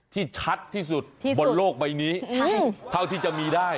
ชัดที่สุดบนโลกใบนี้เท่าที่จะมีได้